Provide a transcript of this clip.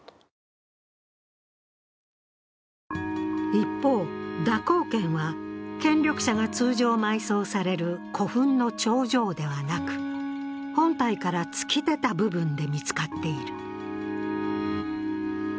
一方、蛇行剣は権力者が通常埋葬される古墳の頂上ではなく、本体から突き出た部分で見つかっている。